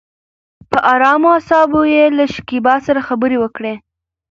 په ارامه اصابو يې له شکيبا سره خبرې وکړې.